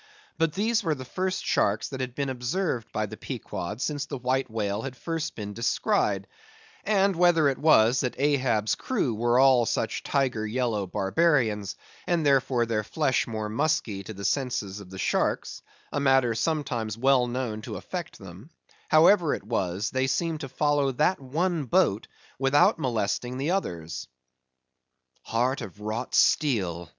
But these were the first sharks that had been observed by the Pequod since the White Whale had been first descried; and whether it was that Ahab's crew were all such tiger yellow barbarians, and therefore their flesh more musky to the senses of the sharks—a matter sometimes well known to affect them,—however it was, they seemed to follow that one boat without molesting the others. "Heart of wrought steel!"